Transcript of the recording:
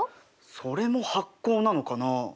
それも発酵なのかな？